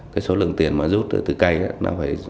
cái số lượng tiền mà rút từ cây nó phải